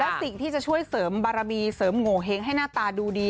แล้วสิ่งที่จะช่วยเสริมบารมีเสริมโงเห้งให้หน้าตาดูดี